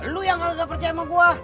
lo yang gak percaya sama gue